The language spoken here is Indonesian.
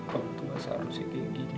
kok tua seharusnya kayak gini mai